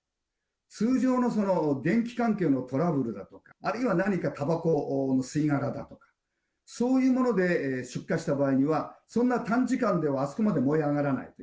通常の電気関係のトラブルだとか、あるいは何かたばこの吸い殻だとか、そういうもので出火した場合には、そんな短時間ではあそこまで燃え上がらない。